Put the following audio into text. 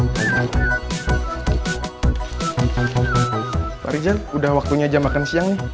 pak rijal udah waktunya aja makan siang nih